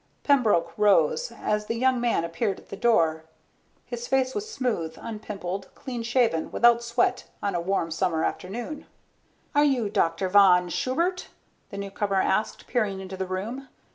Pembroke rose as the young man appeared at the door. His face was smooth, unpimpled, clean shaven, without sweat on a warm summer afternoon. "Are you Dr. Von Schubert?" the newcomer asked, peering into the room.